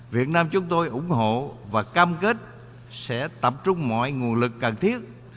việt nam chúng tôi ủng hộ và cam kết sẽ tập trung mọi nguồn lực cần thiết